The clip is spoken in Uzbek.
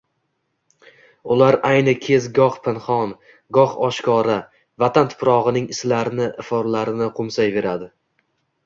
Ular ayni kez goh pinhon, goh oshkora Vatan tuprogʻining islarini, iforlarini qoʻmsayveradi.